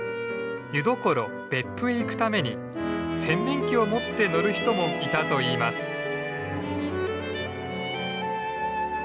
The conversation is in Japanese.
湯どころ別府へ行くために洗面器を持って乗る人もいたといいます。